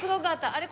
あれ？